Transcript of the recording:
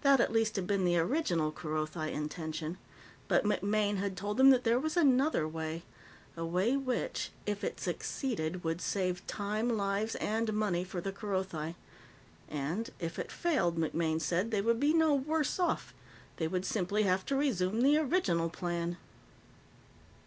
That, at least, had been the original Kerothi intention. But MacMaine had told them that there was another way a way which, if it succeeded, would save time, lives, and money for the Kerothi. And, if it failed, MacMaine said, they would be no worse off, they would simply have to resume the original plan.